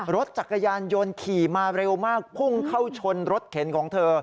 รถจักรยานยนต์ขี่มาเร็วมากพุ่งเข้าชนรถเข็นของเธอ